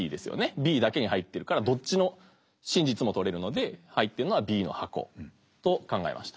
Ｂだけに入ってるからどっちの真実もとれるので入ってるのはＢの箱と考えました。